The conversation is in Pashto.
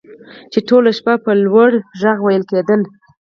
چې ټوله شپه په لوړ غږ ویل کیدل